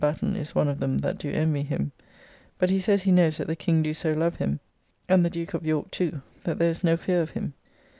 Batten is one of them that do envy him), but he says he knows that the King do so love him, and the Duke of York too, that there is no fear of him.